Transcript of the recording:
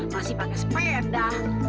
masih pakai sepeda